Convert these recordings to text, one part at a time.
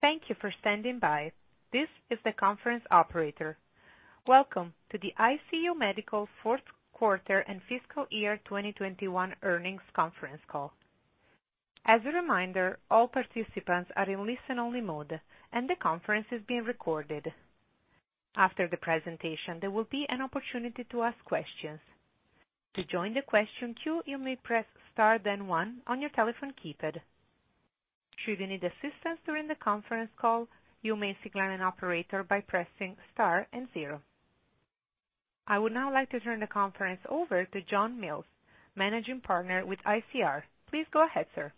Thank you for standing by. This is the conference operator. Welcome to the ICU Medical fourth quarter and fiscal year 2021 earnings conference call. As a reminder, all participants are in listen-only mode and the conference is being recorded. After the presentation, there will be an opportunity to ask questions. To join the question queue, you may press star then one on your telephone keypad. Should you need assistance during the conference call, you may signal an operator by pressing star and zero. I would now like to turn the conference over to John Mills, Managing Partner with ICR. Please go ahead, sir.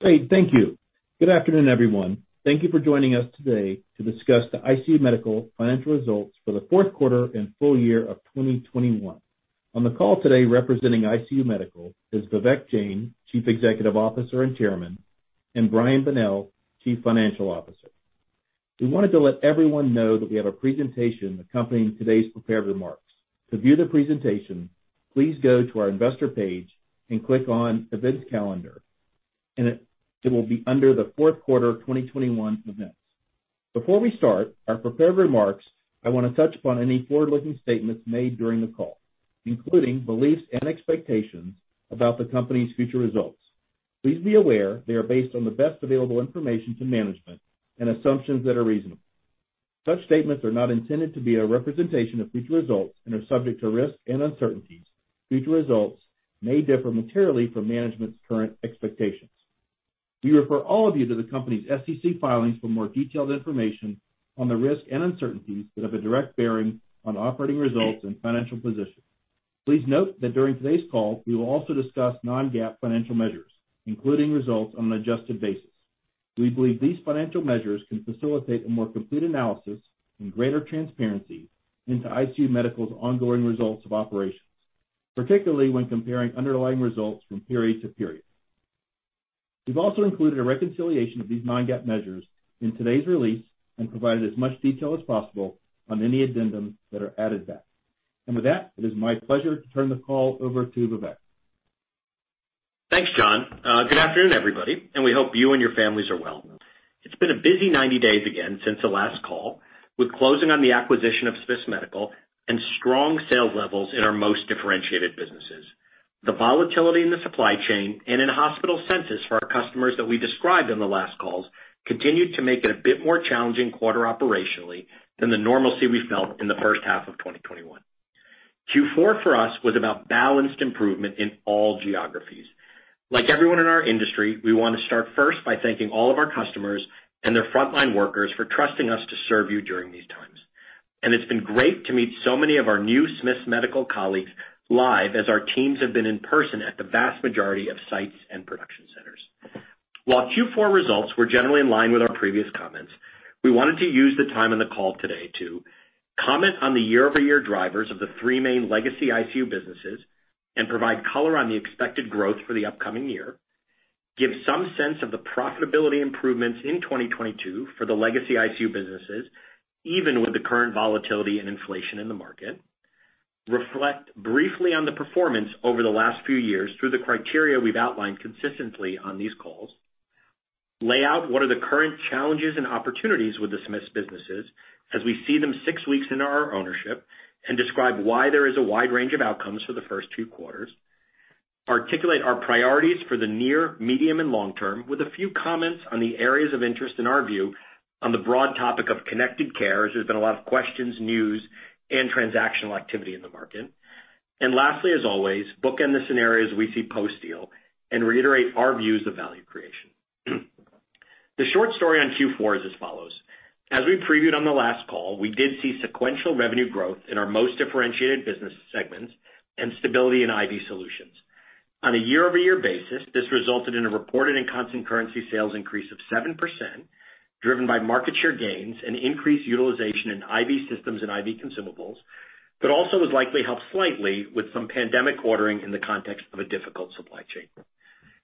Great. Thank you. Good afternoon, everyone. Thank you for joining us today to discuss the ICU Medical financial results for the fourth quarter and full year of 2021. On the call today representing ICU Medical is Vivek Jain, Chief Executive Officer and Chairman, and Brian Bonnell, Chief Financial Officer. We wanted to let everyone know that we have a presentation accompanying today's prepared remarks. To view the presentation, please go to our Investor page and click on Events Calendar, and it will be under the fourth quarter 2021 events. Before we start our prepared remarks, I wanna touch upon any forward-looking statements made during the call, including beliefs and expectations about the company's future results. Please be aware, they are based on the best available information to management and assumptions that are reasonable. Such statements are not intended to be a representation of future results and are subject to risks and uncertainties. Future results may differ materially from management's current expectations. We refer all of you to the company's SEC filings for more detailed information on the risks and uncertainties that have a direct bearing on operating results and financial position. Please note that during today's call, we will also discuss non-GAAP financial measures, including results on an adjusted basis. We believe these financial measures can facilitate a more complete analysis and greater transparency into ICU Medical's ongoing results of operations, particularly when comparing underlying results from period to period. We've also included a reconciliation of these non-GAAP measures in today's release and provided as much detail as possible on any add-backs that are added back. With that, it is my pleasure to turn the call over to Vivek. Thanks, John. Good afternoon, everybody, and we hope you and your families are well. It's been a busy 90 days again since the last call with closing on the acquisition of Smiths Medical and strong sales levels in our most differentiated businesses. The volatility in the supply chain and in hospital census for our customers that we described on the last calls continued to make it a bit more challenging quarter operationally than the normalcy we felt in the first half of 2021. Q4 for us was about balanced improvement in all geographies. Like everyone in our industry, we wanna start first by thanking all of our customers and their frontline workers for trusting us to serve you during these times. It's been great to meet so many of our new Smiths Medical colleagues live as our teams have been in person at the vast majority of sites and production centers. While Q4 results were generally in line with our previous comments, we wanted to use the time on the call today to comment on the year-over-year drivers of the three main legacy ICU businesses and provide color on the expected growth for the upcoming year, give some sense of the profitability improvements in 2022 for the legacy ICU businesses, even with the current volatility and inflation in the market. Reflect briefly on the performance over the last few years through the criteria we've outlined consistently on these calls. Lay out what are the current challenges and opportunities with the Smiths businesses as we see them six weeks into our ownership and describe why there is a wide range of outcomes for the first two quarters. Articulate our priorities for the near, medium, and long term with a few comments on the areas of interest in our view on the broad topic of connected care, as there's been a lot of questions, news, and transactional activity in the market. Lastly, as always, bookend the scenarios we see post-deal and reiterate our views of value creation. The short story on Q4 is as follows. As we previewed on the last call, we did see sequential revenue growth in our most differentiated business segments and stability in IV solutions. On a year-over-year basis, this resulted in a reported and constant currency sales increase of 7%, driven by market share gains and increased utilization in IV systems and IV consumables, but also was likely helped slightly with some pandemic ordering in the context of a difficult supply chain.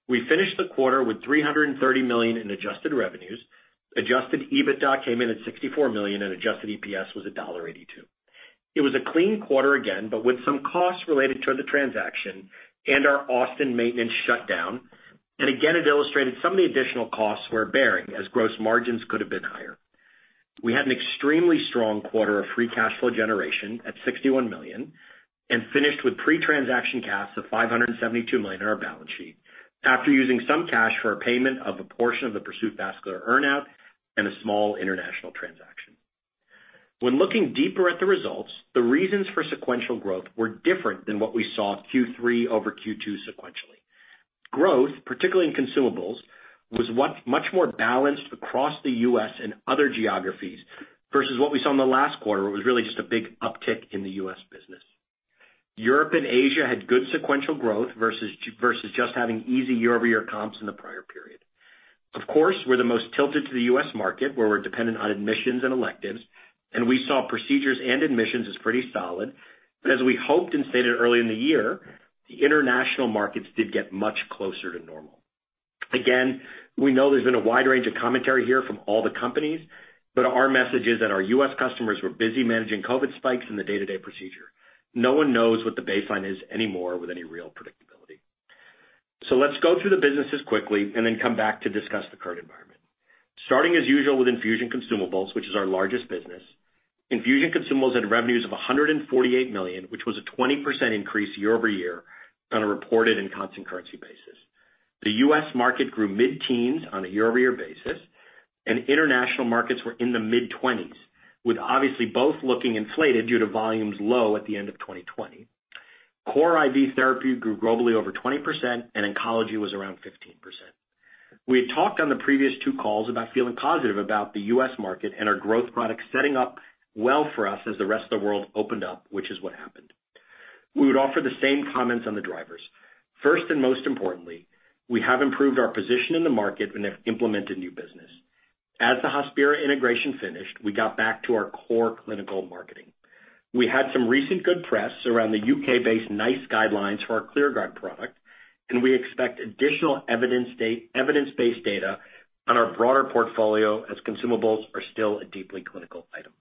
We finished the quarter with $330 million in adjusted revenues. Adjusted EBITDA came in at $64 million and adjusted EPS was $1.82. It was a clean quarter again, but with some costs related to the transaction and our Austin maintenance shutdown. Again, it illustrated some of the additional costs we're bearing as gross margins could have been higher. We had an extremely strong quarter of free cash flow generation at $61 million and finished with pre-transaction cash of $572 million in our balance sheet after using some cash for a payment of a portion of the Pursuit Vascular earn-out and a small international transaction. When looking deeper at the results, the reasons for sequential growth were different than what we saw Q3 over Q2 sequentially. Growth, particularly in consumables, was much more balanced across the U.S. and other geographies versus what we saw in the last quarter, where it was really just a big uptick in the U.S. business. Europe and Asia had good sequential growth versus just having easy year-over-year comps in the prior period. Of course, we're the most tilted to the U.S. market, where we're dependent on admissions and electives, and we saw procedures and admissions as pretty solid. As we hoped and stated early in the year, the international markets did get much closer to normal. Again, we know there's been a wide range of commentary here from all the companies, but our message is that our U.S. customers were busy managing COVID spikes in the day-to-day procedure. No one knows what the baseline is anymore with any real predictability. Let's go through the businesses quickly and then come back to discuss the current environment. Starting as usual with Infusion Consumables, which is our largest business. Infusion Consumables had revenues of $148 million, which was a 20% increase year-over-year on a reported and constant currency basis. The U.S. market grew mid-teens on a year-over-year basis, and international markets were in the mid-20s, with obviously both looking inflated due to volumes low at the end of 2020. Core IV therapy grew globally over 20% and oncology was around 15%. We had talked on the previous two calls about feeling positive about the U.S. market and our growth products setting up well for us as the rest of the world opened up, which is what happened. We would offer the same comments on the drivers. First, and most importantly, we have improved our position in the market and have implemented new business. As the Hospira integration finished, we got back to our core clinical marketing. We had some recent good press around the U.K.-based NICE guidelines for our ClearGuard product, and we expect additional evidence-based data on our broader portfolio as consumables are still a deeply clinical item.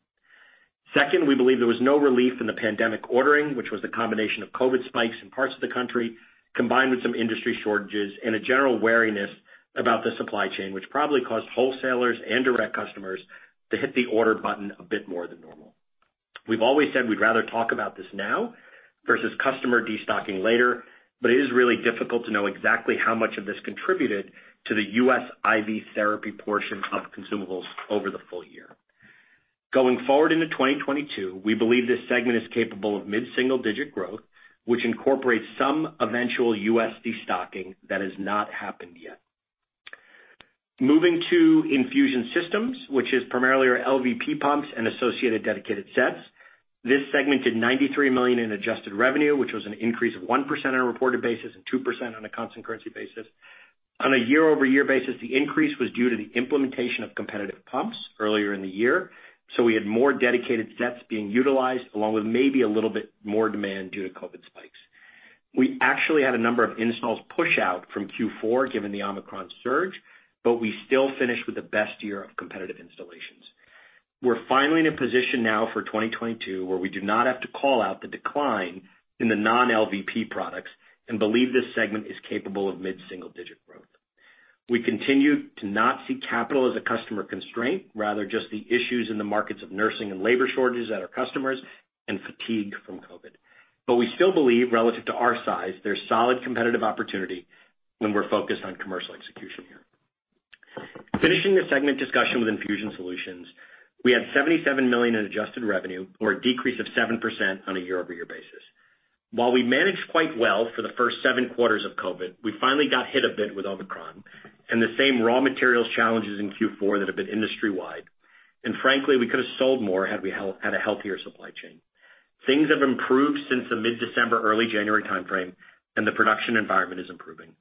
Second, we believe there was no relief in the pandemic ordering, which was a combination of COVID spikes in parts of the country, combined with some industry shortages and a general wariness about the supply chain, which probably caused wholesalers and direct customers to hit the order button a bit more than normal. We've always said we'd rather talk about this now versus customer destocking later, but it is really difficult to know exactly how much of this contributed to the U.S. IV therapy portion of consumables over the full year. Going forward into 2022, we believe this segment is capable of mid-single-digit growth, which incorporates some eventual U.S. destocking that has not happened yet. Moving to Infusion Systems, which is primarily our LVP pumps and associated dedicated sets. This segment did $93 million in adjusted revenue, which was an increase of 1% on a reported basis and 2% on a constant currency basis. On a year-over-year basis, the increase was due to the implementation of competitive pumps earlier in the year, so we had more dedicated sets being utilized, along with maybe a little bit more demand due to COVID spikes. We actually had a number of installs push out from Q4 given the Omicron surge, but we still finished with the best year of competitive installations. We're finally in a position now for 2022, where we do not have to call out the decline in the non-LVP products and believe this segment is capable of mid-single-digit growth. We continue to not see capital as a customer constraint, rather just the issues in the markets of nursing and labor shortages at our customers and fatigue from COVID. We still believe relative to our size, there's solid competitive opportunity when we're focused on commercial execution here. Finishing the segment discussion with Infusion Solutions, we had $77 million in adjusted revenue or a decrease of 7% on a year-over-year basis. While we managed quite well for the first seven quarters of COVID, we finally got hit a bit with Omicron and the same raw materials challenges in Q4 that have been industry-wide. Frankly, we could have sold more had we had a healthier supply chain. Things have improved since the mid-December, early January timeframe, and the production environment is improving.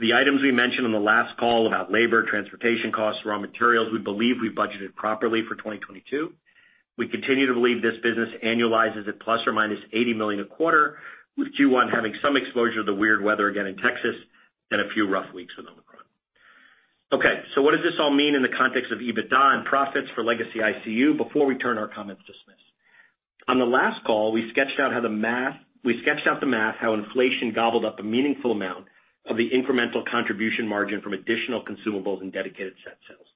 The items we mentioned on the last call about labor, transportation costs, raw materials, we believe we budgeted properly for 2022. We continue to believe this business annualizes at ±$80 million a quarter, with Q1 having some exposure to the weird weather again in Texas and a few rough weeks with Omicron. Okay, so what does this all mean in the context of EBITDA and profits for legacy ICU before we turn our comments to Smith? On the last call, we sketched out the math, how inflation gobbled up a meaningful amount of the incremental contribution margin from additional consumables and dedicated set sales.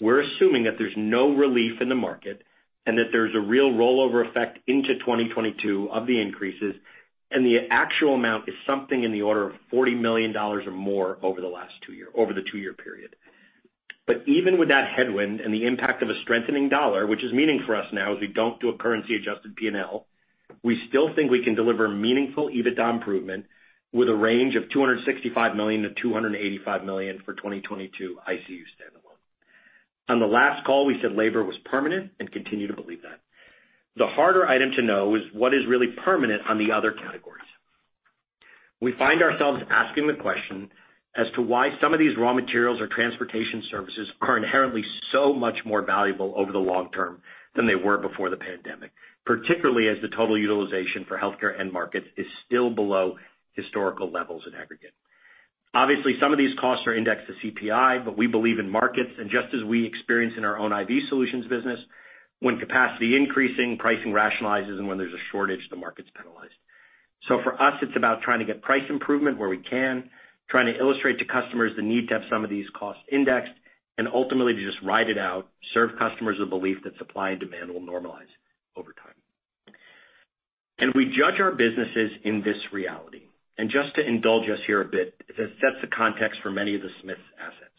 We're assuming that there's no relief in the market and that there's a real rollover effect into 2022 of the increases, and the actual amount is something in the order of $40 million or more over the two-year period. Even with that headwind and the impact of a strengthening dollar, which is meaning for us now as we don't do a currency-adjusted P&L, we still think we can deliver meaningful EBITDA improvement with a range of $265 million-$285 million for 2022 ICU standalone. On the last call, we said labor was permanent and we continue to believe that. The harder item to know is what is really permanent on the other categories. We find ourselves asking the question as to why some of these raw materials or transportation services are inherently so much more valuable over the long term than they were before the pandemic, particularly as the total utilization for healthcare end markets is still below historical levels in aggregate. Obviously, some of these costs are indexed to CPI, but we believe in markets, and just as we experience in our own IV solutions business, when capacity increasing, pricing rationalizes, and when there's a shortage, the market's penalized. For us, it's about trying to get price improvement where we can, trying to illustrate to customers the need to have some of these costs indexed, and ultimately to just ride it out, serve customers with belief that supply and demand will normalize over time. We judge our businesses in this reality. Just to indulge us here a bit, as it sets the context for many of the Smiths' assets.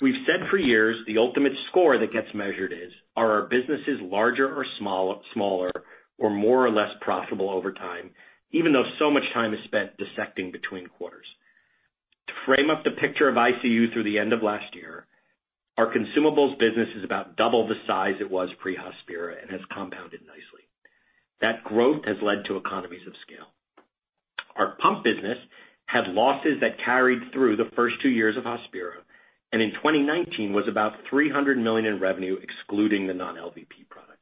We've said for years, the ultimate score that gets measured is, are our businesses larger or smaller, or more or less profitable over time, even though so much time is spent dissecting between quarters. To frame up the picture of ICU through the end of last year, our consumables business is about double the size it was pre-Hospira and has compounded nicely. That growth has led to economies of scale. Our pump business had losses that carried through the first two years of Hospira, and in 2019 was about $300 million in revenue, excluding the non-LVP products.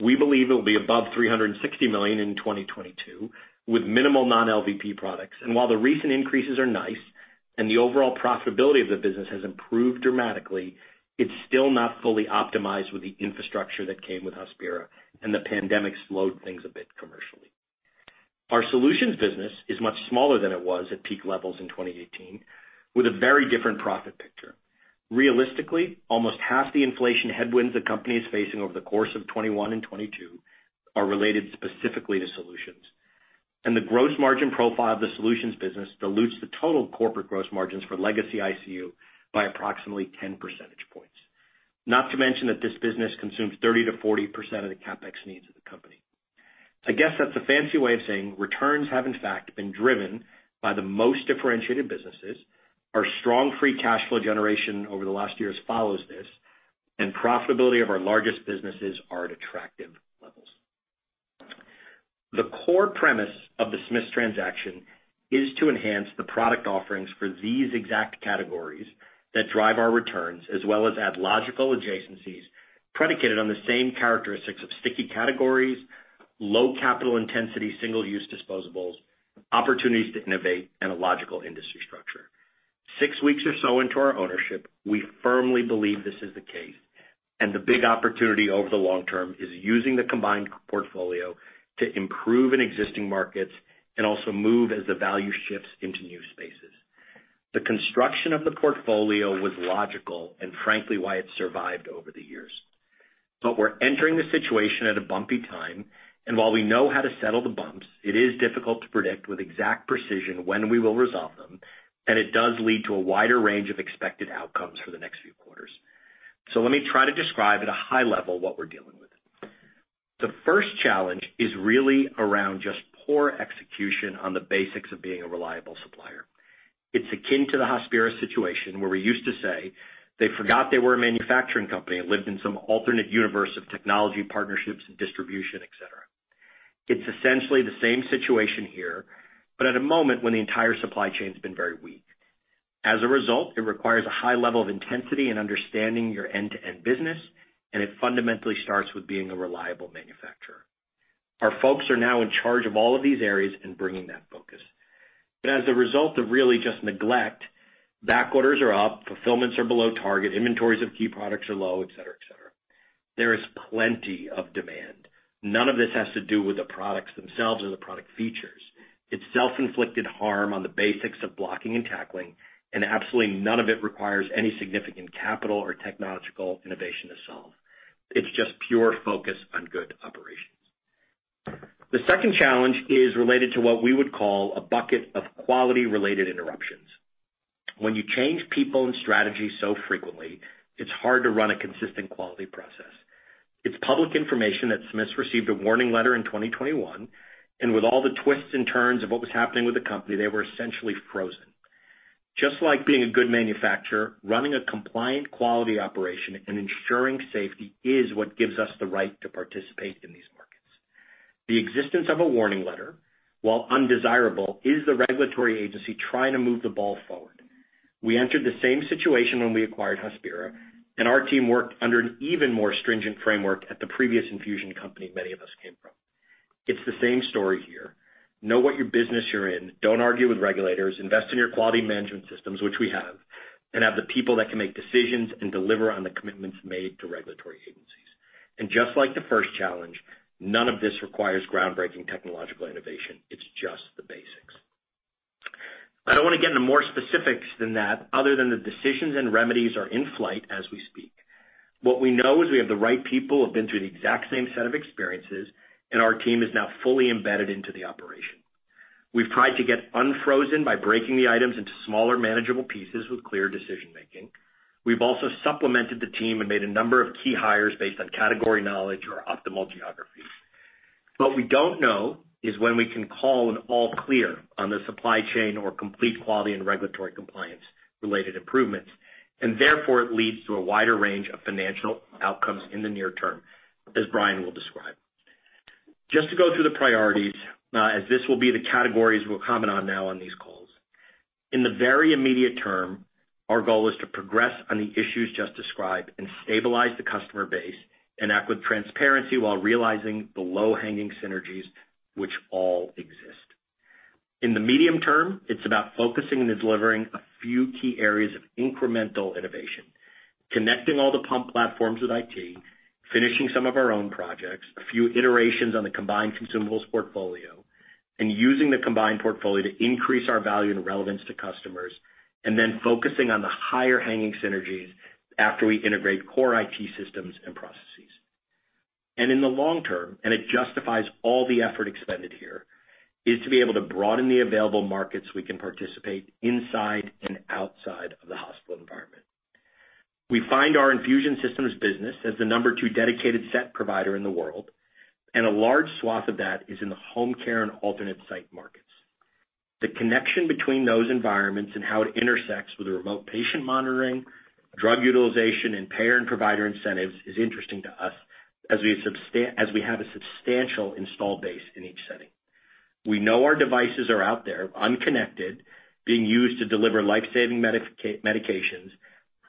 We believe it will be above $360 million in 2022 with minimal non-LVP products. While the recent increases are nice. The overall profitability of the business has improved dramatically. It's still not fully optimized with the infrastructure that came with Hospira, and the pandemic slowed things a bit commercially. Our solutions business is much smaller than it was at peak levels in 2018, with a very different profit picture. Realistically, almost half the inflation headwinds the company is facing over the course of 2021 and 2022 are related specifically to solutions, and the gross margin profile of the solutions business dilutes the total corporate gross margins for legacy ICU by approximately 10 percentage points. Not to mention that this business consumes 30%-40% of the CapEx needs of the company. I guess that's a fancy way of saying returns have in fact been driven by the most differentiated businesses. Our strong free cash flow generation over the last years follows this, and profitability of our largest businesses are at attractive levels. The core premise of the Smiths transaction is to enhance the product offerings for these exact categories that drive our returns, as well as add logical adjacencies predicated on the same characteristics of sticky categories, low capital intensity, single-use disposables, opportunities to innovate, and a logical industry structure. Six weeks or so into our ownership, we firmly believe this is the case, and the big opportunity over the long term is using the combined portfolio to improve in existing markets and also move as the value shifts into new spaces. The construction of the portfolio was logical and frankly why it survived over the years. We're entering the situation at a bumpy time, and while we know how to settle the bumps, it is difficult to predict with exact precision when we will resolve them, and it does lead to a wider range of expected outcomes for the next few quarters. Let me try to describe at a high level what we're dealing with. The first challenge is really around just poor execution on the basics of being a reliable supplier. It's akin to the Hospira situation, where we used to say they forgot they were a manufacturing company and lived in some alternate universe of technology, partnerships, and distribution, et cetera. It's essentially the same situation here, but at a moment when the entire supply chain's been very weak. As a result, it requires a high level of intensity and understanding your end-to-end business, and it fundamentally starts with being a reliable manufacturer. Our folks are now in charge of all of these areas and bringing that focus. As a result of really just neglect, back orders are up, fulfillments are below target, inventories of key products are low, et cetera, et cetera. There is plenty of demand. None of this has to do with the products themselves or the product features. It's self-inflicted harm on the basics of blocking and tackling, and absolutely none of it requires any significant capital or technological innovation to solve. It's just pure focus on good operations. The second challenge is related to what we would call a bucket of quality-related interruptions. When you change people and strategy so frequently, it's hard to run a consistent quality process. It's public information that Smiths received a warning letter in 2021, and with all the twists and turns of what was happening with the company, they were essentially frozen. Just like being a good manufacturer, running a compliant quality operation and ensuring safety is what gives us the right to participate in these markets. The existence of a warning letter, while undesirable, is the regulatory agency trying to move the ball forward. We entered the same situation when we acquired Hospira, and our team worked under an even more stringent framework at the previous infusion company many of us came from. It's the same story here. Know what business you're in, don't argue with regulators, invest in your quality management systems, which we have, and have the people that can make decisions and deliver on the commitments made to regulatory agencies. Just like the first challenge, none of this requires groundbreaking technological innovation. It's just the basics. I don't want to get into more specifics than that other than the decisions and remedies are in flight as we speak. What we know is we have the right people who have been through the exact same set of experiences, and our team is now fully embedded into the operation. We've tried to get unfrozen by breaking the items into smaller, manageable pieces with clear decision-making. We've also supplemented the team and made a number of key hires based on category knowledge or optimal geographies. What we don't know is when we can call an all clear on the supply chain or complete quality and regulatory compliance-related improvements, and therefore it leads to a wider range of financial outcomes in the near term, as Brian will describe. Just to go through the priorities, as this will be the categories we'll comment on now on these calls. In the very immediate term, our goal is to progress on the issues just described and stabilize the customer base and act with transparency while realizing the low-hanging synergies which all exist. In the medium term, it's about focusing and delivering a few key areas of incremental innovation, connecting all the pump platforms with IT, finishing some of our own projects, a few iterations on the combined consumables portfolio, and using the combined portfolio to increase our value and relevance to customers, and then focusing on the higher-hanging synergies after we integrate core IT systems and processes. In the long term, and it justifies all the effort expended here, is to be able to broaden the available markets we can participate inside and outside of the hospital environment. We find our Infusion Systems business as the number two dedicated set provider in the world, and a large swath of that is in the home care and alternate site markets. The connection between those environments and how it intersects with remote patient monitoring, drug utilization, and payer and provider incentives is interesting to us as we have a substantial install base in each setting. We know our devices are out there unconnected, being used to deliver life-saving medications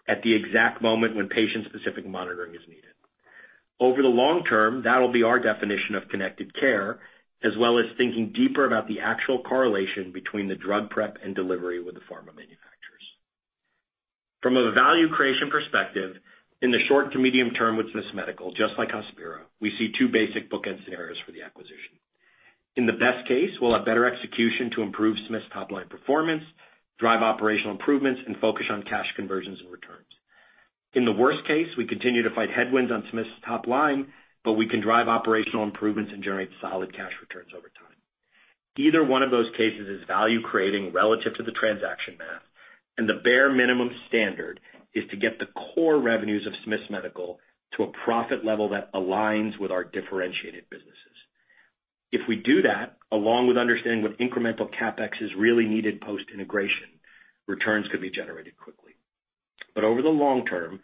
at the exact moment when patient-specific monitoring is needed. Over the long term, that'll be our definition of connected care, as well as thinking deeper about the actual correlation between the drug prep and delivery with the pharma manufacturers. From a value creation perspective, in the short to medium term, with Smiths Medical, just like Hospira, we see two basic bookend scenarios for the acquisition. In the best case, we'll have better execution to improve Smiths Medical's top-line performance, drive operational improvements, and focus on cash conversions and returns. In the worst case, we continue to fight headwinds on Smiths Medical's top line, but we can drive operational improvements and generate solid cash returns over time. Either one of those cases is value-creating relative to the transaction math, and the bare minimum standard is to get the core revenues of Smiths Medical to a profit level that aligns with our differentiated businesses. If we do that, along with understanding what incremental CapEx is really needed post-integration, returns could be generated quickly. But over the long term,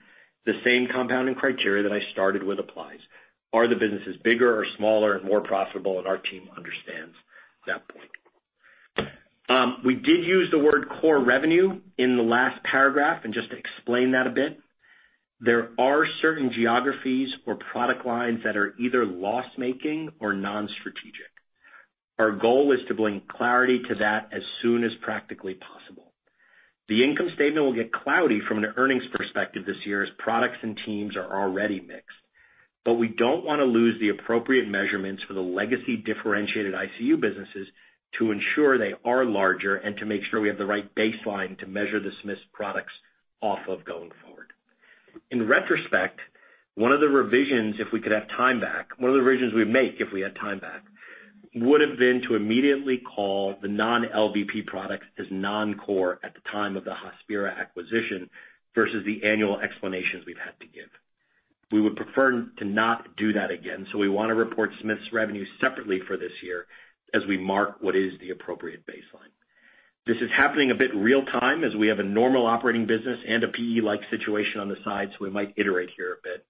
the same compounding criteria that I started with applies. Are the businesses bigger or smaller and more profitable? Our team understands that point. We did use the word core revenue in the last paragraph, and just to explain that a bit, there are certain geographies or product lines that are either loss-making or non-strategic. Our goal is to bring clarity to that as soon as practically possible. The income statement will get cloudy from an earnings perspective this year, as products and teams are already mixed. We don't wanna lose the appropriate measurements for the legacy differentiated ICU businesses to ensure they are larger and to make sure we have the right baseline to measure the Smiths products off of going forward. In retrospect, one of the revisions we'd make if we had time back would have been to immediately call the non-LVP products as non-core at the time of the Hospira acquisition versus the annual explanations we've had to give. We would prefer to not do that again, so we wanna report Smiths revenue separately for this year as we mark what is the appropriate baseline. This is happening a bit real-time as we have a normal operating business and a PE-like situation on the side, so we might iterate here a bit.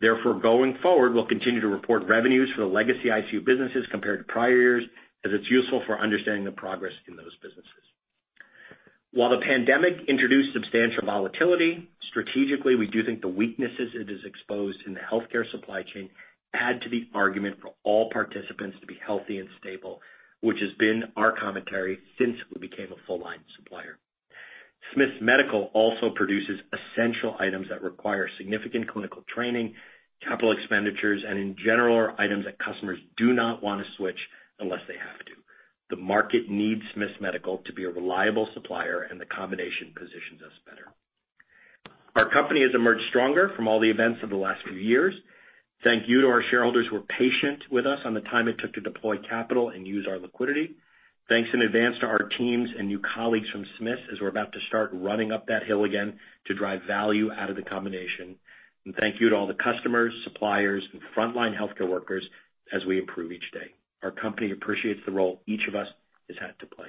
Therefore, going forward, we'll continue to report revenues for the legacy ICU businesses compared to prior years as it's useful for understanding the progress in those businesses. While the pandemic introduced substantial volatility, strategically, we do think the weaknesses it has exposed in the healthcare supply chain add to the argument for all participants to be healthy and stable, which has been our commentary since we became a full-line supplier. Smiths Medical also produces essential items that require significant clinical training, capital expenditures, and in general, are items that customers do not wanna switch unless they have to. The market needs Smiths Medical to be a reliable supplier, and the combination positions us better. Our company has emerged stronger from all the events of the last few years. Thank you to our shareholders who were patient with us on the time it took to deploy capital and use our liquidity. Thanks in advance to our teams and new colleagues from Smiths as we're about to start running up that hill again to drive value out of the combination. Thank you to all the customers, suppliers, and frontline healthcare workers as we improve each day. Our company appreciates the role each of us has had to play.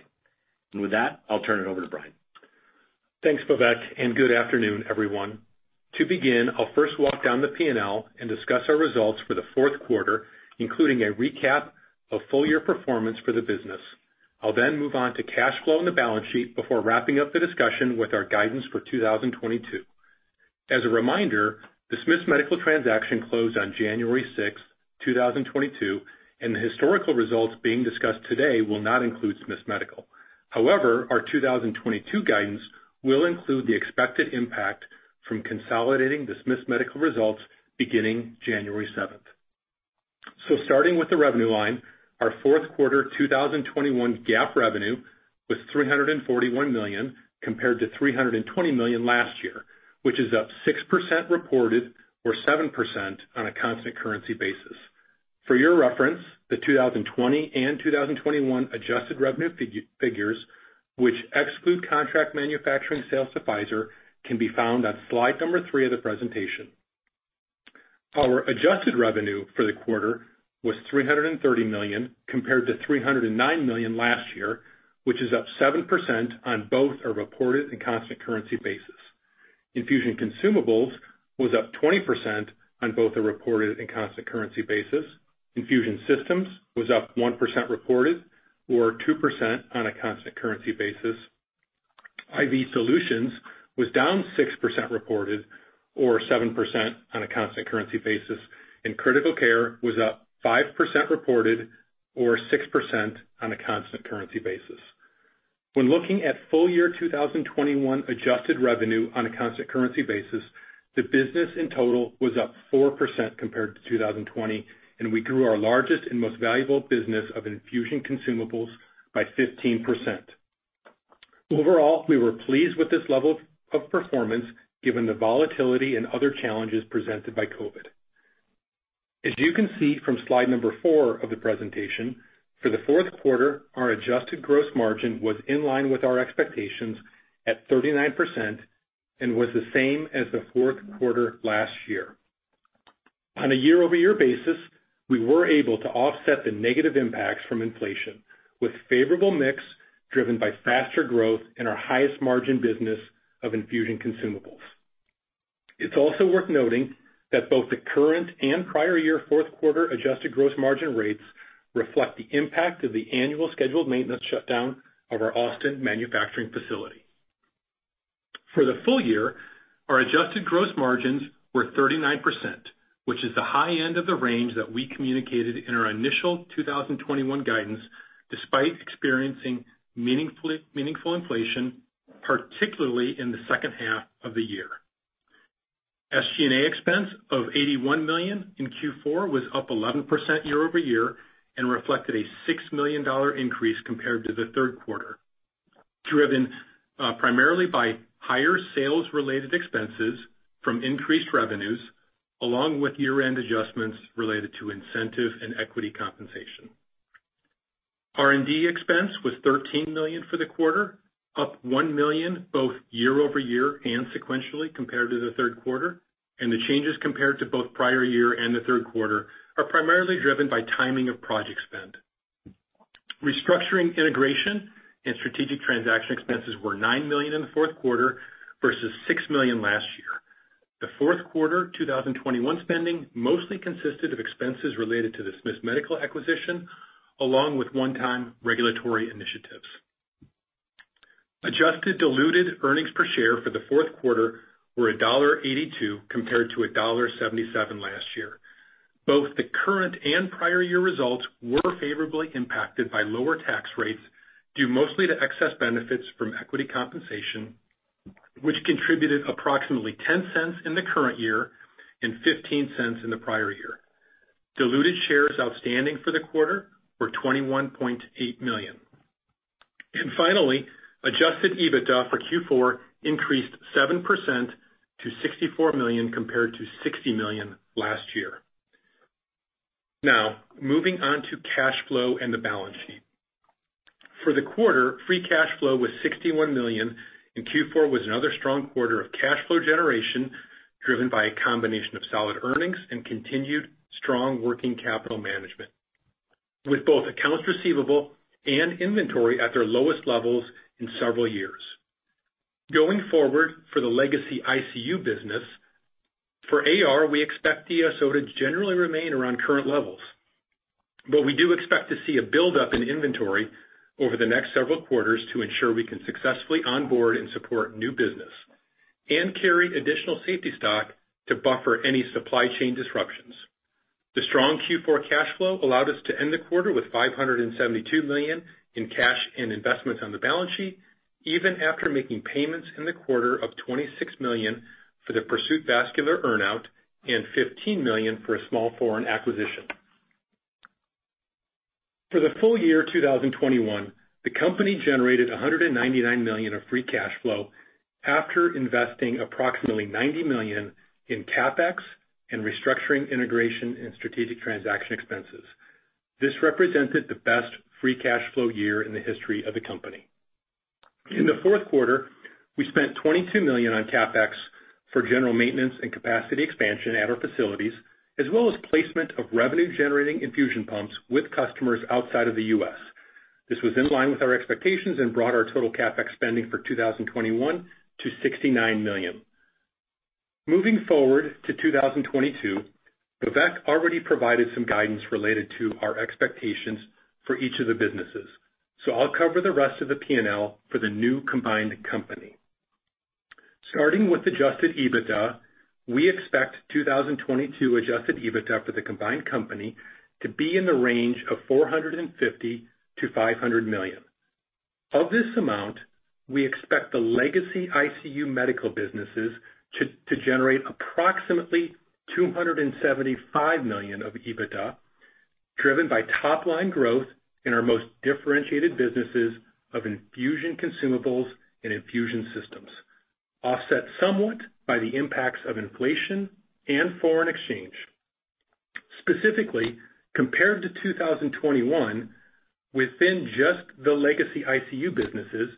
With that, I'll turn it over to Brian. Thanks, Vivek, and good afternoon, everyone. To begin, I'll first walk down the P&L and discuss our results for the fourth quarter, including a recap of full-year performance for the business. I'll then move on to cash flow and the balance sheet before wrapping up the discussion with our guidance for 2022. As a reminder, the Smiths Medical transaction closed on January 6th, 2022, and the historical results being discussed today will not include Smiths Medical. However, our 2022 guidance will include the expected impact from consolidating the Smiths Medical results beginning January 7th. Starting with the revenue line, our fourth quarter 2021 GAAP revenue was $341 million, compared to $320 million last year, which is up 6% reported or 7% on a constant currency basis. For your reference, the 2020 and 2021 adjusted revenue figures, which exclude contract manufacturing sales to Pfizer, can be found on slide number three of the presentation. Our adjusted revenue for the quarter was $330 million, compared to $309 million last year, which is up 7% on both a reported and constant currency basis. Infusion Consumables was up 20% on both a reported and constant currency basis. Infusion Systems was up 1% reported or 2% on a constant currency basis. IV solutions was down 6% reported or 7% on a constant currency basis. Critical Care was up 5% reported or 6% on a constant currency basis. When looking at full-year 2021 adjusted revenue on a constant currency basis, the business in total was up 4% compared to 2020, and we grew our largest and most valuable business of Infusion Consumables by 15%. Overall, we were pleased with this level of performance given the volatility and other challenges presented by COVID. As you can see from slide number four of the presentation, for the fourth quarter, our adjusted gross margin was in line with our expectations at 39% and was the same as the fourth quarter last year. On a year-over-year basis, we were able to offset the negative impacts from inflation with favorable mix driven by faster growth in our highest margin business of Infusion Consumables. It's also worth noting that both the current and prior year fourth quarter adjusted gross margin rates reflect the impact of the annual scheduled maintenance shutdown of our Austin manufacturing facility. For the full year, our adjusted gross margins were 39%, which is the high end of the range that we communicated in our initial 2021 guidance, despite experiencing meaningful inflation, particularly in the second half of the year. SG&A expense of $81 million in Q4 was up 11% year-over-year and reflected a $6 million increase compared to the third quarter, driven primarily by higher sales related expenses from increased revenues, along with year-end adjustments related to incentive and equity compensation. R&D expense was $13 million for the quarter, up $1 million both year-over-year and sequentially compared to the third quarter, and the changes compared to both prior year and the third quarter are primarily driven by timing of project spend. Restructuring integration and strategic transaction expenses were $9 million in the fourth quarter versus $6 million last year. The fourth quarter 2021 spending mostly consisted of expenses related to the Smiths Medical acquisition, along with one-time regulatory initiatives. Adjusted diluted earnings per share for the fourth quarter were $1.82 compared to $1.77 last year. Both the current and prior year results were favorably impacted by lower tax rates due mostly to excess benefits from equity compensation, which contributed approximately $0.10 in the current year and $0.15 in the prior year. Diluted shares outstanding for the quarter were 21.8 million. Finally, adjusted EBITDA for Q4 increased 7% to $64 million compared to $60 million last year. Now, moving on to cash flow and the balance sheet. For the quarter, free cash flow was $61 million, and Q4 was another strong quarter of cash flow generation, driven by a combination of solid earnings and continued strong working capital management with both accounts receivable and inventory at their lowest levels in several years. Going forward, for the legacy ICU business, for AR, we expect the DSO to generally remain around current levels. We do expect to see a buildup in inventory over the next several quarters to ensure we can successfully onboard and support new business and carry additional safety stock to buffer any supply chain disruptions. The strong Q4 cash flow allowed us to end the quarter with $572 million in cash and investments on the balance sheet, even after making payments in the quarter of $26 million for the Pursuit Vascular earn-out and $15 million for a small foreign acquisition. For the full year 2021, the company generated $199 million of free cash flow after investing approximately $90 million in CapEx and restructuring integration and strategic transaction expenses. This represented the best free cash flow year in the history of the company. In the fourth quarter, we spent $22 million on CapEx for general maintenance and capacity expansion at our facilities, as well as placement of revenue-generating infusion pumps with customers outside of the U.S. This was in line with our expectations and brought our total CapEx spending for 2021 to $69 million. Moving forward to 2022, Vivek already provided some guidance related to our expectations for each of the businesses. I'll cover the rest of the P&L for the new combined company. Starting with adjusted EBITDA, we expect 2022 adjusted EBITDA for the combined company to be in the range of $450 million-$500 million. Of this amount, we expect the legacy ICU Medical businesses to generate approximately $275 million of EBITDA, driven by top-line growth in our most differentiated businesses of Infusion Consumables and Infusion Systems, offset somewhat by the impacts of inflation and foreign exchange. Specifically, compared to 2021, within just the legacy ICU businesses,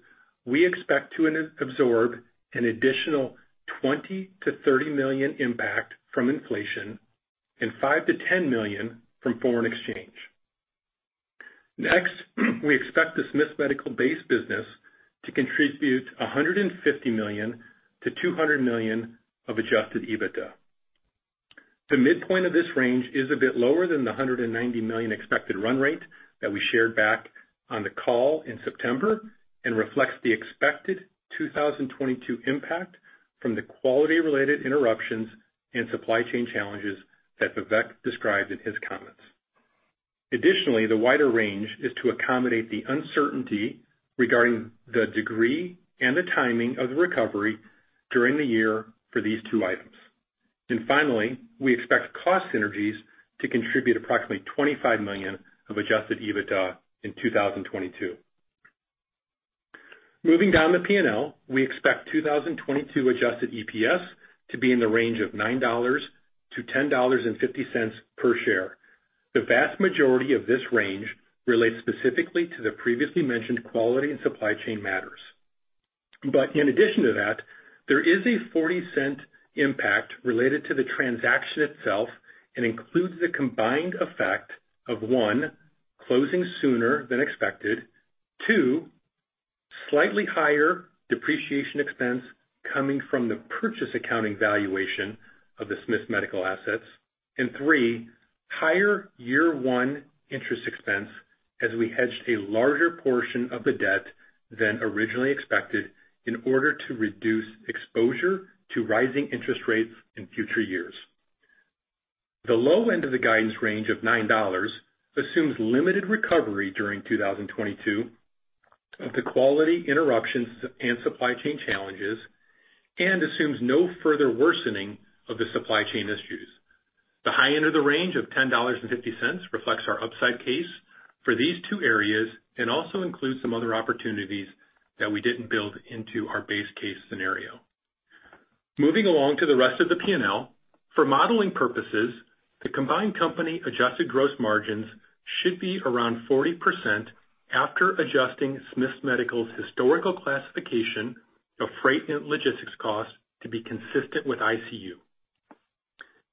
we expect to absorb an additional $20 million-$30 million impact from inflation and $5 million-$10 million from foreign exchange. Next, we expect the Smiths Medical-based business to contribute $150 million-$200 million of adjusted EBITDA. The midpoint of this range is a bit lower than the $190 million expected run rate that we shared back on the call in September and reflects the expected 2022 impact from the quality-related interruptions and supply chain challenges that Vivek described in his comments. Additionally, the wider range is to accommodate the uncertainty regarding the degree and the timing of the recovery during the year for these two items. Finally, we expect cost synergies to contribute approximately $25 million of adjusted EBITDA in 2022. Moving down the P&L, we expect 2022 adjusted EPS to be in the range of $9-$10.50 per share. The vast majority of this range relates specifically to the previously mentioned quality and supply chain matters. In addition to that, there is a $0.40 impact related to the transaction itself and includes the combined effect of, one, closing sooner than expected, two, slightly higher depreciation expense coming from the purchase accounting valuation of the Smiths Medical assets, and three, a higher year one interest expense as we hedged a larger portion of the debt than originally expected in order to reduce exposure to rising interest rates in future years. The low end of the guidance range of $9 assumes limited recovery during 2022 of the quality interruptions and supply chain challenges, and assumes no further worsening of the supply chain issues. The high end of the range of $10.50 reflects our upside case for these two areas and also includes some other opportunities that we didn't build into our base case scenario. Moving along to the rest of the P&L. For modeling purposes, the combined company adjusted gross margins should be around 40% after adjusting Smiths Medical's historical classification of freight and logistics costs to be consistent with ICU.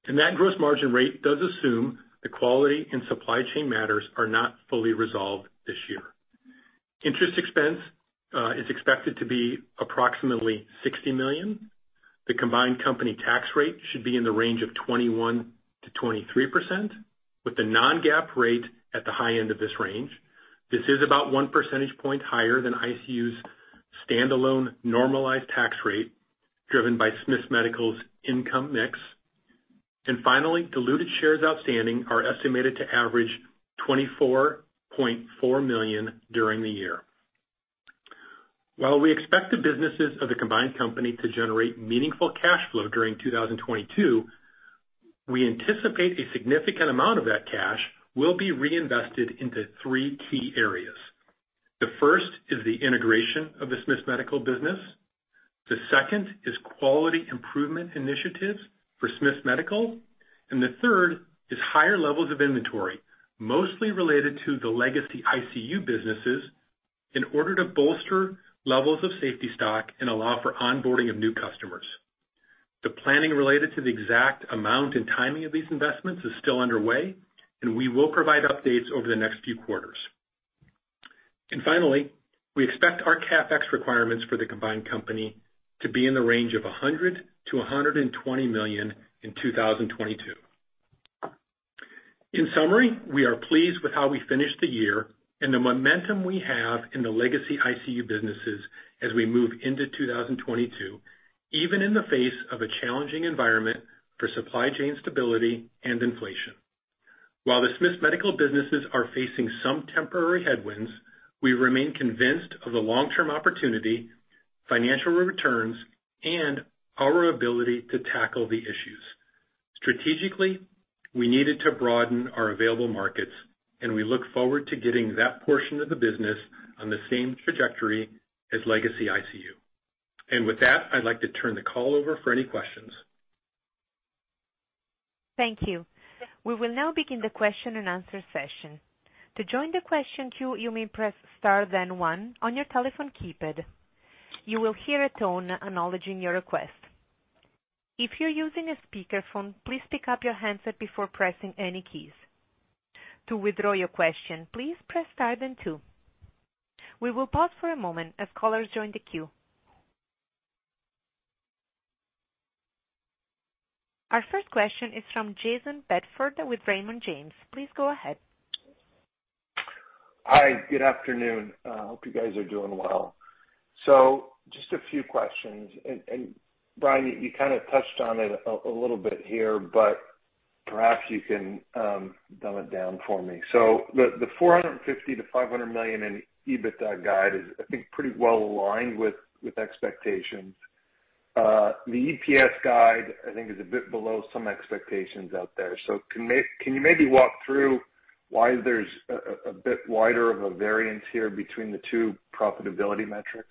That gross margin rate does assume the quality and supply chain matters are not fully resolved this year. Interest expense is expected to be approximately $60 million. The combined company tax rate should be in the range of 21%-23%, with the non-GAAP rate at the high end of this range. This is about one percentage point higher than ICU's standalone normalized tax rate, driven by Smiths Medical's income mix. Finally, diluted shares outstanding are estimated to average 24.4 million during the year. While we expect the businesses of the combined company to generate meaningful cash flow during 2022, we anticipate a significant amount of that cash will be reinvested into three key areas. The first is the integration of the Smiths Medical business. The second is quality improvement initiatives for Smiths Medical. The third is higher levels of inventory, mostly related to the legacy ICU businesses, in order to bolster levels of safety stock and allow for onboarding of new customers. The planning related to the exact amount and timing of these investments is still underway, and we will provide updates over the next few quarters. Finally, we expect our CapEx requirements for the combined company to be in the range of $100 million-$120 million in 2022. In summary, we are pleased with how we finished the year and the momentum we have in the legacy ICU businesses as we move into 2022, even in the face of a challenging environment for supply chain stability and inflation. While the Smiths Medical businesses are facing some temporary headwinds, we remain convinced of the long-term opportunity, financial returns, and our ability to tackle the issues. Strategically, we needed to broaden our available markets, and we look forward to getting that portion of the business on the same trajectory as legacy ICU. With that, I'd like to turn the call over for any questions. Thank you. We will now begin the question-and-answer session. To join the question queue, you may press star then one on your telephone keypad. You will hear a tone acknowledging your request. If you're using a speakerphone, please pick up your handset before pressing any keys. To withdraw your question, please press star then two. We will pause for a moment as callers join the queue. Our first question is from Jayson Bedford with Raymond James. Please go ahead. Hi, good afternoon. Hope you guys are doing well. Just a few questions. Brian, you kind of touched on it a little bit here, but perhaps you can dumb it down for me. The $450 million-$500 million in EBITDA guide is, I think, pretty well aligned with expectations. The EPS guide, I think, is a bit below some expectations out there. Can you maybe walk through why there's a bit wider of a variance here between the two profitability metrics?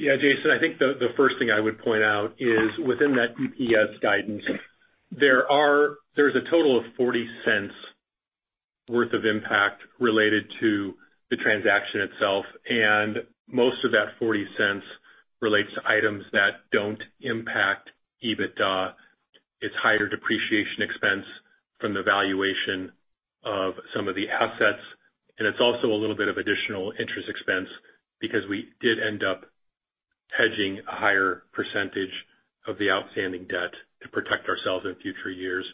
Yeah, Jayson, I think the first thing I would point out is within that EPS guidance, there's a total of $0.40 worth of impact related to the transaction itself, and most of that $0.40 relates to items that don't impact EBITDA. It's higher depreciation expense from the valuation of some of the assets, and it's also a little bit of additional interest expense because we did end up hedging a higher percentage of the outstanding debt to protect ourselves in future years.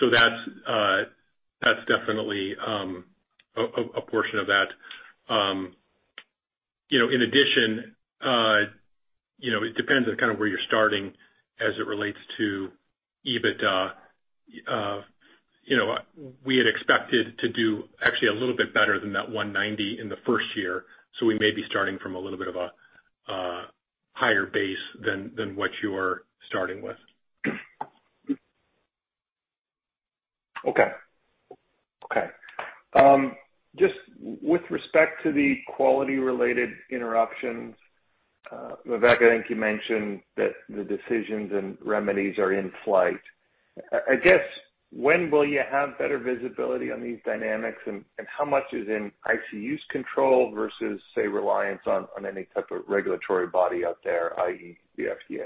So that's definitely a portion of that. You know, in addition, you know, it depends on kind of where you're starting as it relates to EBITDA. You know, we had expected to do actually a little bit better than that $190 million in the first year, so we may be starting from a little bit of a higher base than what you're starting with. Okay. Just with respect to the quality-related interruptions, Vivek, I think you mentioned that the decisions and remedies are in flight. I guess, when will you have better visibility on these dynamics and how much is in ICU's control versus, say, reliance on any type of regulatory body out there, i.e., the FDA?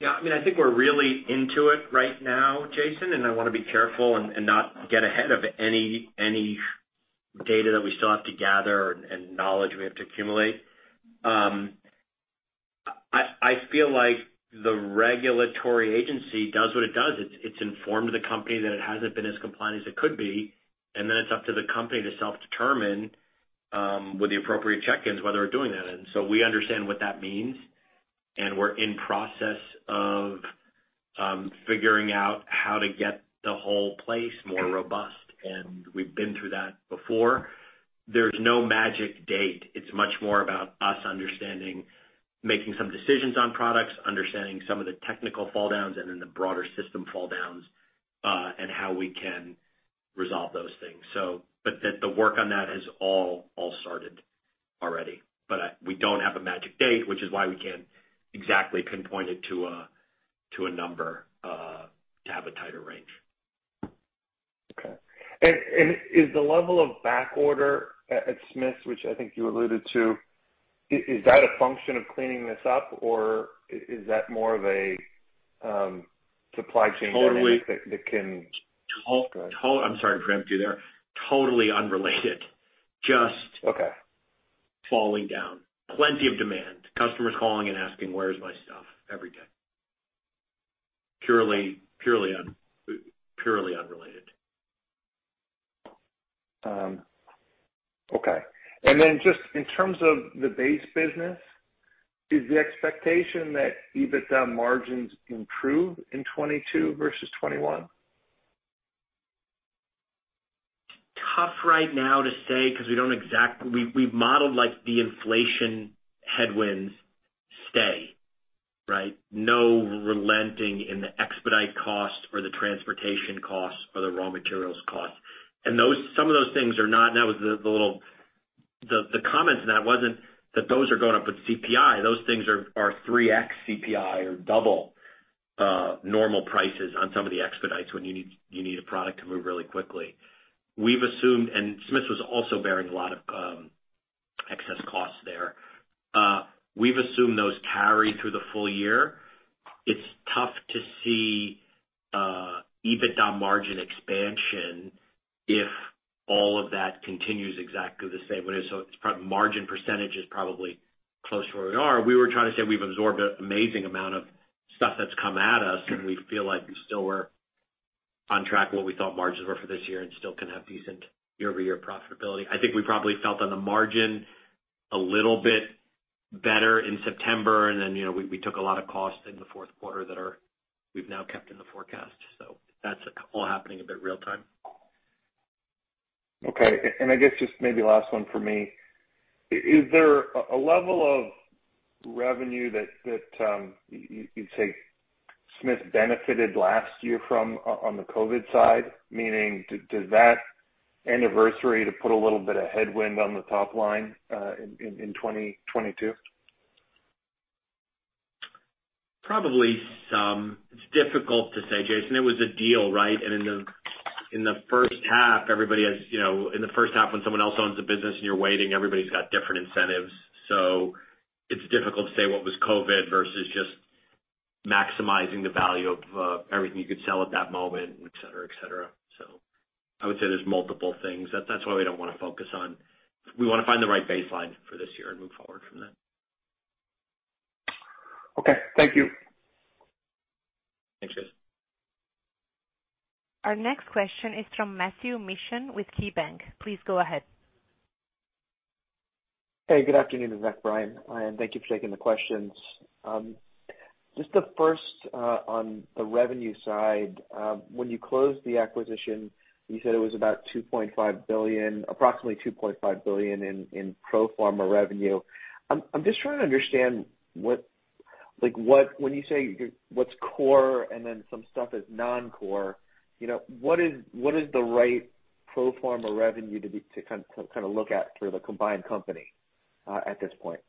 Yeah. I mean, I think we're really into it right now, Jayson, and I want to be careful and not get ahead of any data that we still have to gather and knowledge we have to accumulate. I feel like the regulatory agency does what it does. It's informed the company that it hasn't been as compliant as it could be, and then it's up to the company to self-determine with the appropriate check-ins, whether we're doing that. We understand what that means, and we're in process of figuring out how to get the whole place more robust, and we've been through that before. There's no magic date. It's much more about us understanding, making some decisions on products, understanding some of the technical fall downs and then the broader system fall downs, and how we can resolve those things. The work on that has all started already. We don't have a magic date, which is why we can't exactly pinpoint it to a number to have a tighter range. Is the level of backorder at Smiths, which I think you alluded to, a function of cleaning this up, or is that more of a supply chain dynamic? Totally. Go ahead. I'm sorry to interrupt you there. Totally unrelated. Just- Okay. Falling down. Plenty of demand. Customers calling and asking, "Where's my stuff?" Every day. Purely unrelated. Okay. Just in terms of the base business, is the expectation that EBITDA margins improve in 2022 versus 2021? Tough right now to say because we've modeled like the inflation headwinds stay, right? No relenting in the expedite costs or the transportation costs or the raw materials costs. Some of those things are not. The comments on that wasn't that those are going up with CPI. Those things are 3x CPI or double normal prices on some of the expedites when you need a product to move really quickly. We've assumed, and Smiths was also bearing a lot of excess costs there. We've assumed those carry through the full year. It's tough to see EBITDA margin expansion if all of that continues exactly the same way. Margin percentage is probably close to where we are. We were trying to say we've absorbed an amazing amount of stuff that's come at us, and we feel like we still were on track with what we thought margins were for this year and still can have decent year-over-year profitability. I think we probably felt on the margin a little bit better in September, and then, you know, we took a lot of costs in the fourth quarter that are, we've now kept in the forecast. That's all happening a bit real time. Okay. I guess just maybe last one from me. Is there a level of revenue that you'd say Smiths benefited last year from on the COVID side? Meaning, does that anniversary put a little bit of headwind on the top line in 2022? Probably some. It's difficult to say, Jayson. It was a deal, right? In the first half everybody has, you know, when someone else owns the business and you're waiting, everybody's got different incentives. It's difficult to say what was COVID versus just maximizing the value of everything you could sell at that moment, et cetera. I would say there's multiple things. That's why we don't wanna focus on. We wanna find the right baseline for this year and move forward from there. Okay. Thank you. Thanks, Jayson. Our next question is from Matthew Mishan with KeyBanc. Please go ahead. Hey, good afternoon, Vivek, Brian, and thank you for taking the questions. Just the first on the revenue side. When you closed the acquisition, you said it was about $2.5 billion, approximately $2.5 billion in pro forma revenue. I'm just trying to understand, when you say what's core and then some stuff is non-core, you know, what is the right pro forma revenue to kind of look at for the combined company at this point?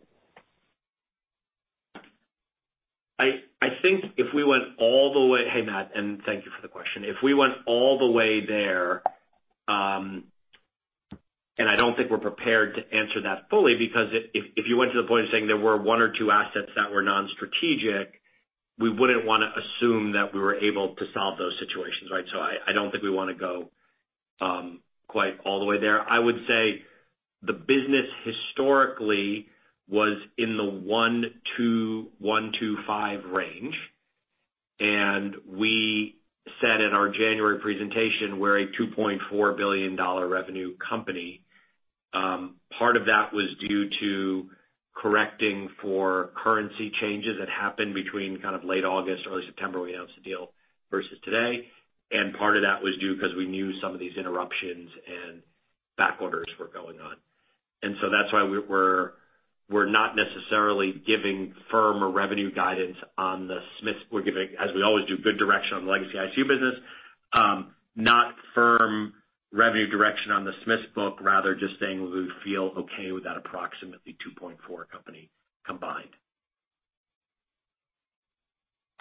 Hey, Matt, and thank you for the question. If we went all the way there, and I don't think we're prepared to answer that fully because if you went to the point of saying there were one or two assets that were non-strategic, we wouldn't wanna assume that we were able to solve those situations, right? So I don't think we wanna go quite all the way there. I would say the business historically was in the $1 billion-$1.25 billion range. We said in our January presentation, we're a $2.4 billion revenue company. Part of that was due to correcting for currency changes that happened between kind of late August, early September we announced the deal versus today. Part of that was due because we knew some of these interruptions and backorders were going on. That's why we're not necessarily giving firm or revenue guidance on the Smiths. We're giving, as we always do, good direction on the legacy ICU business, not firm revenue direction on the Smiths book, rather just saying we feel okay with that approximately $2.4 billion company combined.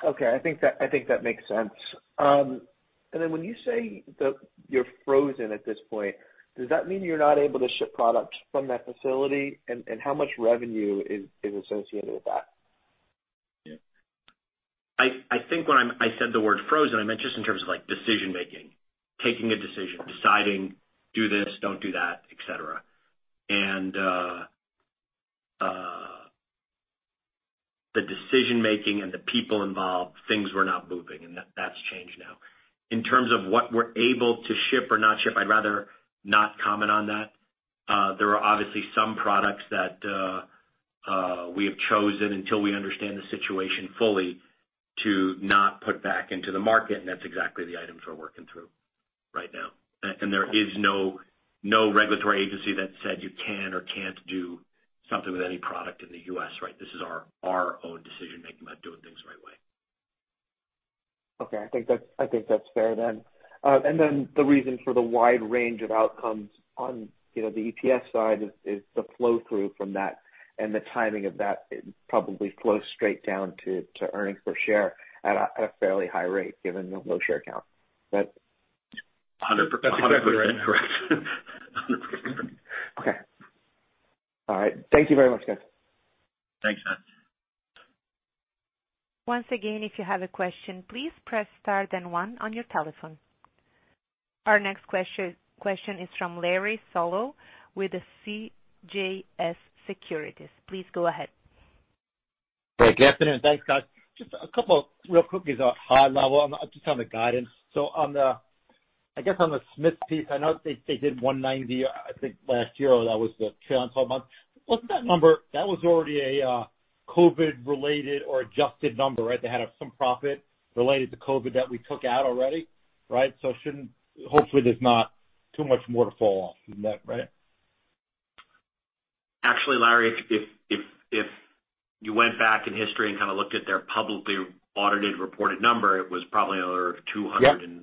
Okay. I think that makes sense. When you say that you're frozen at this point, does that mean you're not able to ship products from that facility? How much revenue is associated with that? Yeah. I think when I said the word frozen, I meant just in terms of like decision making, taking a decision, deciding do this, don't do that, et cetera. The decision making and the people involved, things were not moving and that's changed now. In terms of what we're able to ship or not ship, I'd rather not comment on that. There are obviously some products that we have chosen until we understand the situation fully to not put back into the market, and that's exactly the items we're working through right now. There is no regulatory agency that said you can or can't do something with any product in the U.S., right? This is our own decision-making about doing things the right way. Okay. I think that's fair then. The reason for the wide range of outcomes on, you know, the EPS side is the flow through from that and the timing of that probably flows straight down to earnings per share at a fairly high rate given the low share count. Is that- 100%. That's exactly right. Correct. 100%. Okay. All right. Thank you very much, guys. Thanks, Matt. Once again, if you have a question, please press star then one on your telephone. Our next question is from Larry Solow with CJS Securities. Please go ahead. Good afternoon. Thanks, guys. Just a couple of real quickies on high level. I'm just on the guidance. I guess on the Smiths piece, I know they did $190 million, I think last year that was the trailing 12 months. Wasn't that number that was already a COVID-related or adjusted number, right? They had some profit related to COVID that we took out already, right? It shouldn't. Hopefully there's not too much more to fall off from that, right? Actually, Larry, if you went back in history and kind of looked at their publicly audited reported number, it was probably another $230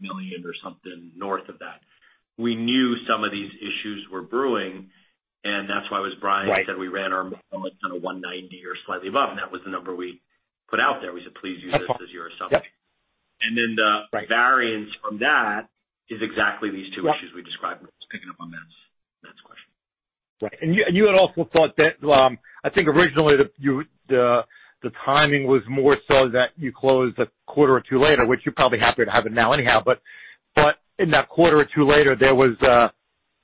million or something north of that. We knew some of these issues were brewing, and that's why, as Brian said, we ran our model at kind of $190 million or slightly above, and that was the number we put out there. We said, "Please use this as your assumption. Yeah. The variance from that is exactly these two issues we described, just picking up on Matt's question. Right. You had also thought that I think originally the timing was more so that you closed a quarter or two later, which you're probably happier to have it now anyhow. In that quarter or two later, there was,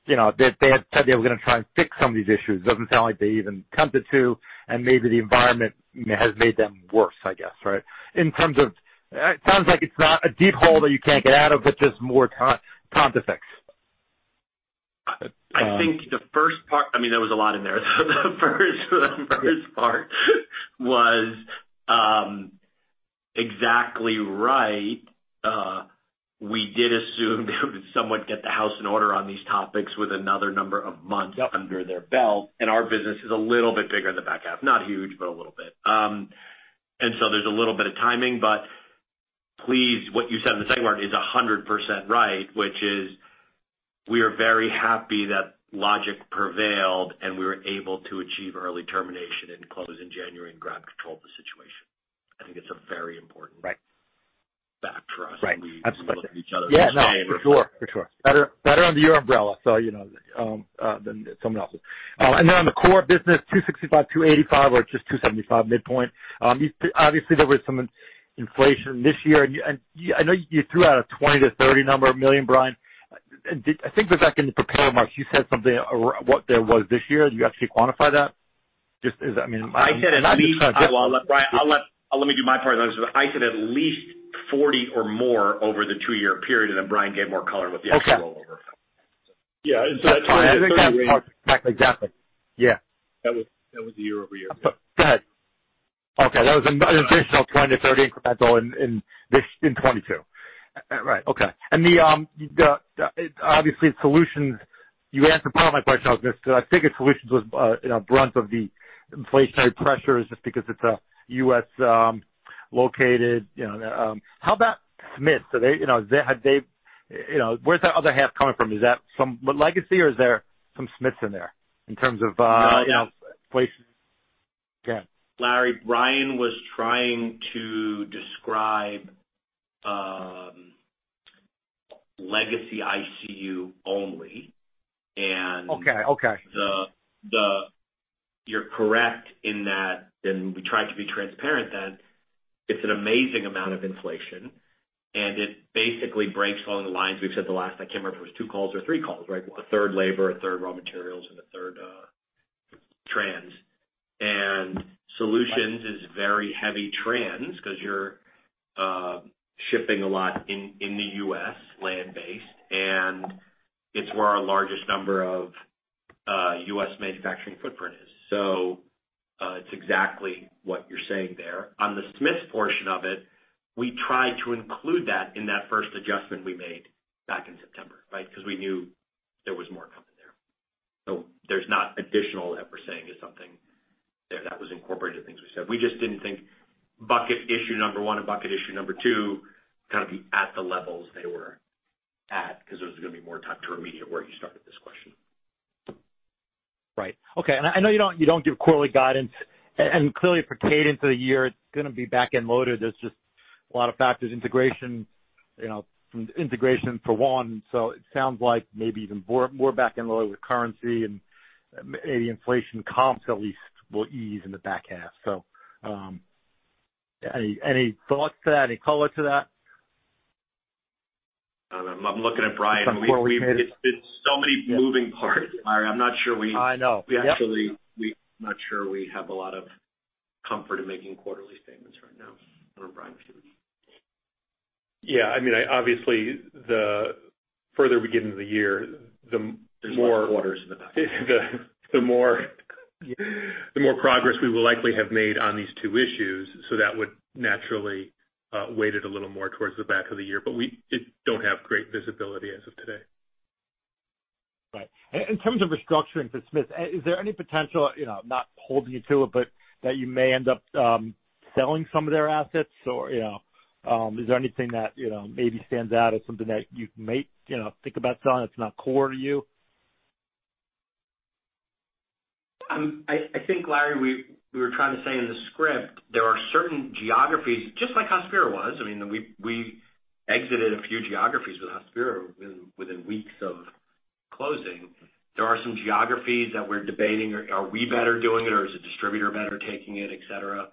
you know, they had said they were gonna try and fix some of these issues. It doesn't sound like they even attempted to and maybe the environment has made them worse, I guess, right? In terms of, it sounds like it's not a deep hole that you can't get out of, but just more time to fix. I think the first part I mean, there was a lot in there. The first part was exactly right. We did assume they would somewhat get the house in order on these topics with another number of months under their belt, and our business is a little bit bigger in the back half. Not huge, but a little bit. There's a little bit of timing, but please, what you said in the second part is 100% right, which is we are very happy that logic prevailed and we were able to achieve early termination and close in January and grab control of the situation. I think it's a very important. Right. -factor us- Right. Absolutely. We look at each other and say. Yeah, no, for sure. Better under your umbrella, so you know, than someone else's. On the core business, $265 million-$285 million or just $275 million midpoint. Obviously there was some inflation this year. I know you threw out a $20 million-$30 million number, Brian. I think that back in the prepared remarks you said something about what there was this year. Did you actually quantify that? Just, I mean Well, let me do my part of that. I said at least $40 million or more over the two-year period, and then Brian gave more color with the actual rollover. Okay. Yeah. $20 million-$30 million- Exactly. Yeah. -that was the year-over-year. Go ahead. Okay. That was an additional $20 million-$30 million incremental in 2022. Right. Okay. Then obviously solutions, you answered part of my question on this because I figured solutions was, you know, brunt of the inflationary pressures just because it's a U.S. located, you know. How about Smiths? Are they, you know, have they, you know, where's that other half coming from? Is that some legacy or is there some Smiths in there in terms of, you know, places? Go ahead. Larry, Brian was trying to describe legacy ICU only. Okay. You're correct in that, and we try to be transparent that it's an amazing amount of inflation and it basically breaks along the lines we've said the last. I can't remember if it was two calls or three calls, right? A third labor, a third raw materials and a third transportation. Solutions is very heavy transportation 'cause you're shipping a lot in the U.S. land-based, and it's where our largest number of U.S. manufacturing footprint is. It's exactly what you're saying there. On the Smiths portion of it, we tried to include that in that first adjustment we made back in September, right? Because we knew there was more coming there. There's not additional that we're saying is something there. That was incorporated in things we said. We just didn't think bucket issue number one and bucket issue number two kind of be at the levels they were at, because there was gonna be more time to remediate where you started this question. Right. Okay. I know you don't give quarterly guidance, and clearly for cadence of the year it's gonna be back-end loaded. There's a lot of factors, integration, you know, from integration for one. It sounds like maybe even more back-end load with currency and maybe inflation comps at least will ease in the back half. Any thoughts to that? Any color to that? I'm looking at Brian. Like forward. It's so many moving parts, Larry. I'm not sure we. I know. Yep. We actually, we're not sure we have a lot of comfort in making quarterly statements right now. I don't know, Brian, if you- Yeah. I mean, obviously the further we get into the year, the more- There's more quarters in the back. -the more progress we will likely have made on these two issues. That would naturally weigh it a little more towards the back of the year. We don't have great visibility as of today. Right. In terms of restructuring for Smiths, is there any potential, you know, not holding you to it, but that you may end up selling some of their assets? Or, you know, is there anything that, you know, maybe stands out as something that you may, you know, think about selling that's not core to you? I think,, we were trying to say in the script, there are certain geographies, just like Hospira was. I mean, we exited a few geographies with Hospira within weeks of closing. There are some geographies that we're debating. Are we better doing it or is a distributor better taking it, et cetera?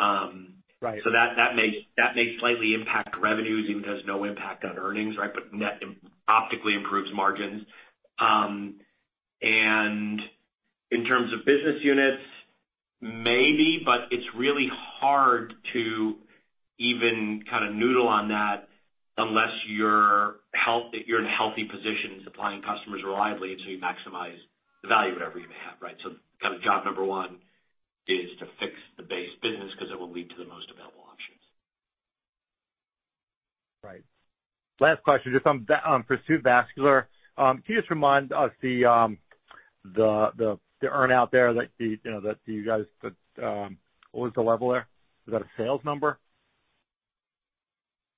Right. That may slightly impact revenues, even though it has no impact on earnings, right? Net optically improves margins. In terms of business units, maybe, but it's really hard to even kind of noodle on that unless you're in a healthy position, supplying customers reliably until you maximize the value of whatever you have, right? Kind of job number one is to fix the base business because it will lead to the most available options. Right. Last question, just on Pursuit Vascular. Can you just remind us the earn-out there that you guys what was the level there? Is that a sales number?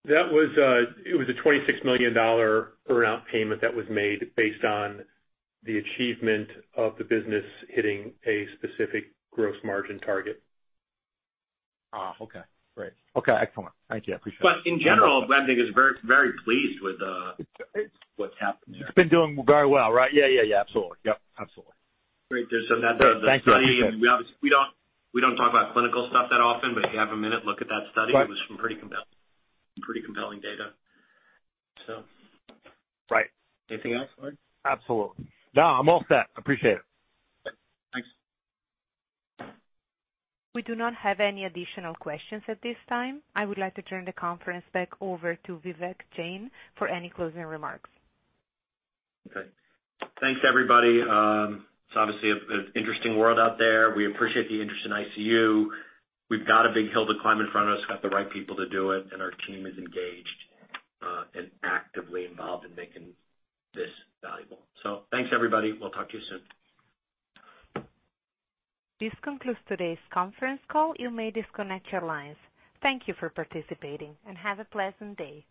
That was a $26 million earn-out payment that was made based on the achievement of the business hitting a specific gross margin target. Okay. Great. Okay, excellent. Thank you. I appreciate it. In general, I think it's very, very pleased with what's happened there. It's been doing very well, right? Yeah, yeah, absolutely. Yep, absolutely. Great. Thank you. Appreciate it. We don't talk about clinical stuff that often, but if you have a minute, look at that study. Right. It was some pretty compelling data, so. Right. Anything else, Larry? Absolutely. No, I'm all set. I appreciate it. Thanks. We do not have any additional questions at this time. I would like to turn the conference back over to Vivek Jain for any closing remarks. Okay. Thanks, everybody. It's obviously an interesting world out there. We appreciate the interest in ICU. We've got a big hill to climb in front of us, got the right people to do it, and our team is engaged and actively involved in making this valuable. Thanks, everybody. We'll talk to you soon. This concludes today's conference call. You may disconnect your lines. Thank you for participating and have a pleasant day.